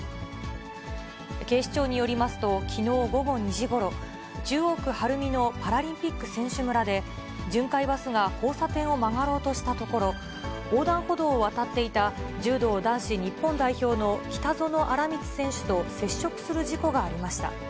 警視庁によりますと、きのう午後２時ごろ、中央区晴海のパラリンピック選手村で、巡回バスが交差点を曲がろうとしたところ、横断歩道を渡っていた、柔道男子日本代表の北薗新光選手と接触する事故がありました。